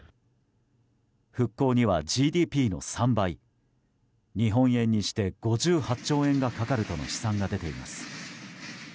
復興のはＧＤＰの３倍日本円にして５８兆円がかかるとの試算が出ています。